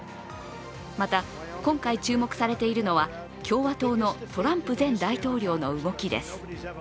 また、今回注目されているのは共和党のトランプ前大統領の動きです。